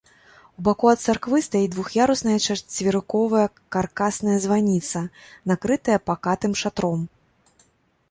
У баку ад царквы стаіць двух'ярусная чацверыковая каркасная званіца, накрытая пакатым шатром.